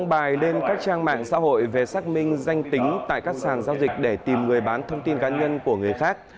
bài lên các trang mạng xã hội về xác minh danh tính tại các sàn giao dịch để tìm người bán thông tin cá nhân của người khác